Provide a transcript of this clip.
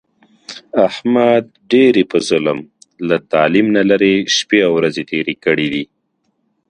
احمد ډېرې په ظلم، له تعلیم نه لرې شپې او ورځې تېرې کړې دي.